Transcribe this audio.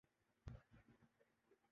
کی اسی عادت سے نفرت ہے